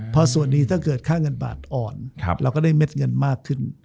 พอส่วนดีถ้าเกิดค่าเงินบาทอ่อนเราก็ได้เม็ดเงินมากขึ้น